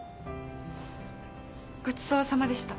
ごちそうさまでした。